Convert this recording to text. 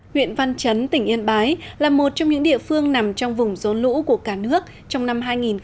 nguyện văn chấn tỉnh yên bái là một trong những địa phương nằm trong vùng dồn lũ của cả nước trong năm hai nghìn một mươi tám